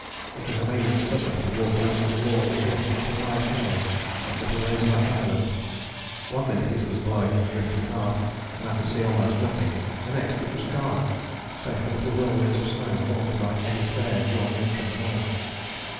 It was amazing suddenly to walk out of the wall of drift into light airs at Little Razorback Island. One minute it was blowing and drifting hard and I could see almost nothing, the next it was calm, save for little whirlwinds of snow formed by eddies of air drawn in from the north.